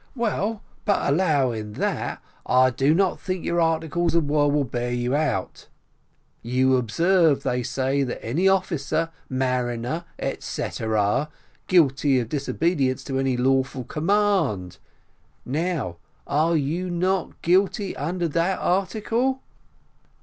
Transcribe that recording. "Well, but allowing that, I do not think your articles of war will bear you out. You observe, they say any officer, mariner, etcetera, guilty of disobedience to any lawful command. Now are you not guilty under that article?"